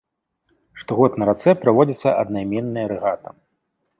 Штогод на рацэ праводзіцца аднайменная рэгата.